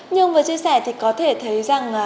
như ông vừa chia sẻ thì có thể thấy rằng